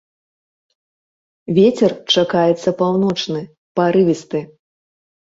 Вецер чакаецца паўночны, парывісты.